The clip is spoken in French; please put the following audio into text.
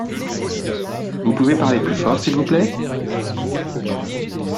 Vous pouvez parler plus fort s’il vous plait ?